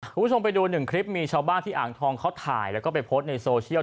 คุณผู้ชมไปดูหนึ่งคลิปมีชาวบ้านที่อ่างทองเขาถ่ายแล้วก็ไปโพสต์ในโซเชียล